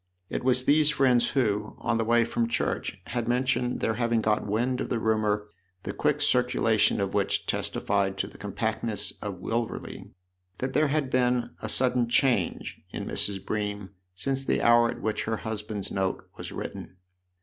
It was these friends who, on the way from church, had mentioned their having got wind of the rumour the quick circulation of which testified to the compactness of Wilverley that there had been a sudden change in Mrs. Bream since the hour at which her husband's note was written.